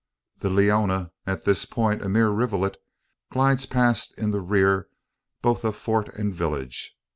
The Leona at this point a mere rivulet glides past in the rear both of fort and village.